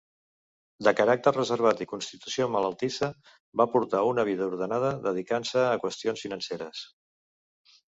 De caràcter reservat i constitució malaltissa, va portar una vida ordenada dedicant-se a qüestions financeres.